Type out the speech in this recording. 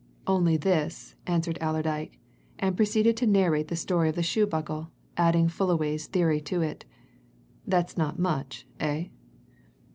"Only this," answered Allerdyke, and proceeded to narrate the story of the shoe buckle, adding Fullaway's theory to it. "That's not much, eh?"